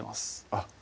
あっ